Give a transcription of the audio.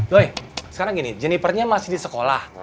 doi sekarang gini jenipernya masih di sekolah